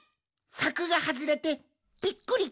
さくがはずれてびっくり！